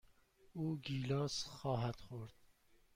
او گیلاس خواهد خورد.